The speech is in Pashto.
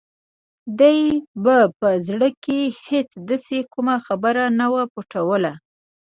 دوی به په زړه کې هېڅ داسې کومه خبره نه وه پټوله